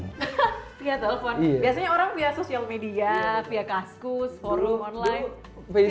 biasanya orang via sosial media